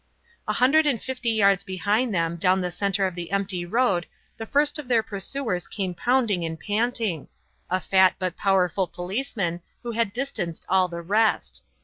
A hundred and fifty yards behind them down the centre of the empty road the first of their pursuers came pounding and panting a fat but powerful policeman who had distanced all the rest.